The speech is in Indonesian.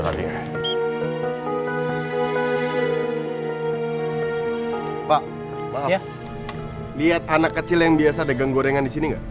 maaf lihat anak kecil yang biasa dagang gorengan disini gak